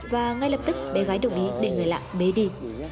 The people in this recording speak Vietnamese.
và ngay lập tức bé gái đồng ý để người lạ bê đi